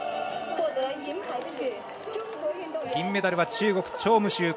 銀メダルは中国、張夢秋。